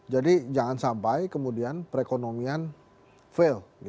jadi jangan sampai kemudian perekonomian fail